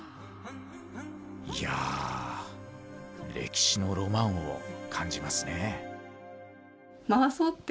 いや歴史のロマンを感じますね。